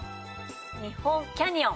日本キャニオン。